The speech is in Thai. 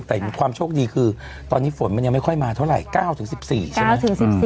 แต่ความโชคดีคือตอนนี้ฝนมันยังไม่ค่อยมาเท่าไหร่๙๑๔ใช่ไหม